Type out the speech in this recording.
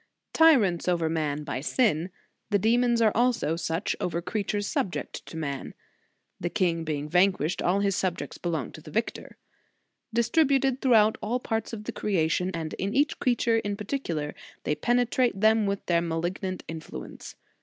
Tyrants over man by sin, the demons are also such over creatures subject to man; the king being vanquished, all his subjects belong to the victor. Distributed throughout all parts 0f the creation, and in each creature in In the Nineteenth Century. 199 particular, they penetrate them with their malignant influence.